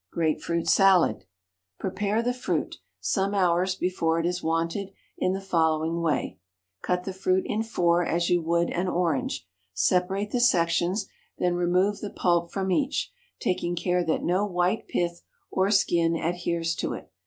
Grape fruit Salad. Prepare the fruit, some hours before it is wanted, in the following way: Cut the fruit in four as you would an orange; separate the sections; then remove the pulp from each, taking care that no white pith or skin adheres to it.